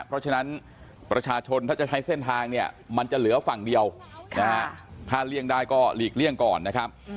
เพราะฉะนั้นประชาชนถ้าจะใช้เส้นทางเนี่ยมันจะเหลือฝั่งเดียวถ้าเลี่ยงได้ก็หลีกเลี่ยงก่อนนะครับ